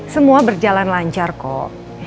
semua berjalan lancar kok